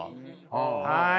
はい。